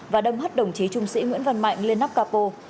và đâm hất đồng chí trung sĩ nguyễn văn mạnh lên nắp capo